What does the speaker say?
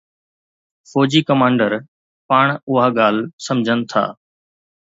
فوجي ڪمانڊر پاڻ اها ڳالهه سمجهن ٿا.